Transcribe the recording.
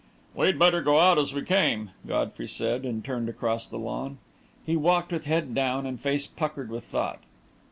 "We'd better go out as we came," Godfrey said, and turned across the lawn. He walked with head down and face puckered with thought.